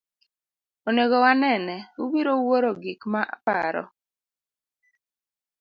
Onego wanene, ubiro wuoro gik maparo.